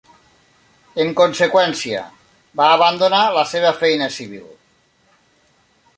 En conseqüència, va abandonar la seva feina civil.